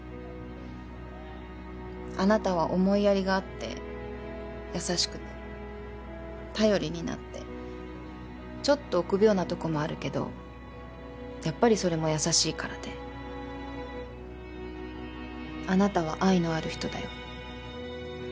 あなたは思いやりがあって優しくて頼りになってちょっと臆病なとこもあるけどやっぱりそれも優しいからであなたは愛のある人だよ。